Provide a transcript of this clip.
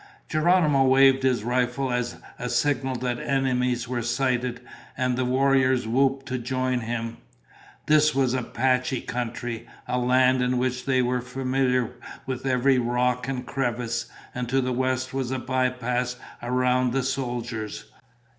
Geronimo waved his rifle as a signal that enemies were sighted, and the warriors whooped to join him. This was Apache country, a land in which they were familiar with every rock and crevice, and to the west was a bypass around the soldiers.